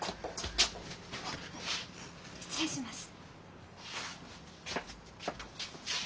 失礼します。